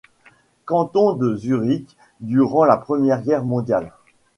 Canton de Zurich, durant la Première Guerre mondiale.